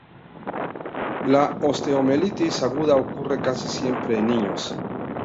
La osteomielitis aguda ocurre casi siempre en niños.